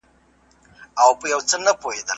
تر څو پدغه عظيم تصميم کي له پښيمانۍ څخه ژغورل سوې وي.